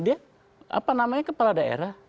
dia apa namanya kepala daerah